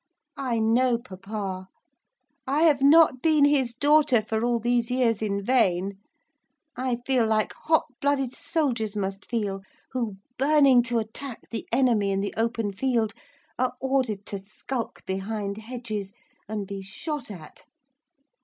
I know papa! I have not been his daughter for all these years in vain. I feel like hot blooded soldiers must feel, who, burning to attack the enemy in the open field, are ordered to skulk behind hedges, and be shot at.